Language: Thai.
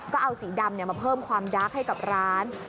ก็เอาสีดำมาเพิ่มความดาร์กให้กับร้าน